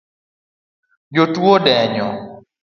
Jatuo odenyo